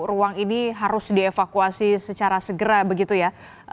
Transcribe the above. ruang ini harus dievakuasi secara segera begitu ya